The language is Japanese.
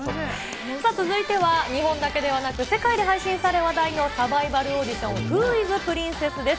さあ続いては、日本だけではなく、世界で配信され話題のサバイバルオーディション、フー・イズ・プリンセス？です。